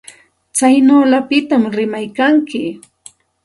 Tsaynawllapita rimaykanki.